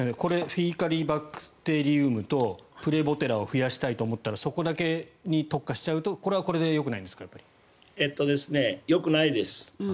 フィーカリバクテリウムとプレボテラを増やしたいと思ったらそこだけに特化しちゃうとよくないです。